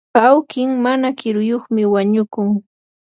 awki mana kiruyuqmi wañukun.